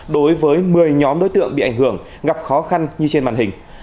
đối với một mươi nhóm đối tượng bị ảnh hưởng gặp khó khăn như trên màn hình